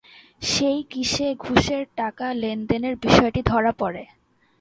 সেই কিসে ঘুষের টাকা লেনদেনের বিষয়টি ধরা পড়ে?